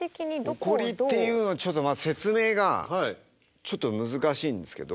起こりっていうのはちょっと説明がちょっと難しいんですけど。